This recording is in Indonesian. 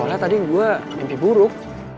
soalnya tadi gue mimpi buruk